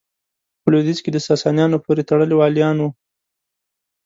په لوېدیځ کې ساسانیانو پوره تړلي والیان وو.